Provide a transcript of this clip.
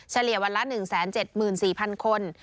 เฉียวันละ๑๗๔๐๐คน